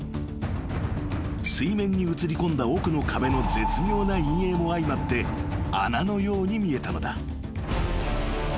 ［水面に映りこんだ奥の壁の絶妙な陰影も相まって穴のように見えたのだ］